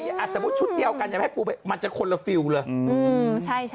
ถ้าว่าชุดเดียวกันอย่างนั้นหมันจะคนละฟิวแล้ว